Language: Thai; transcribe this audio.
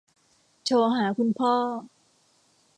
โทรหาคุณพ่อ